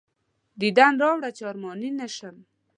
دیدن راوړه چې ارماني نه شم.